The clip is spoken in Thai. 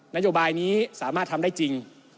นโยบายนี้สามารถทำได้จริง